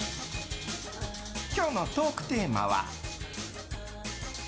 今日のトークテーマは。